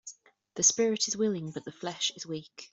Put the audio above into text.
The spirit is willing but the flesh is weak.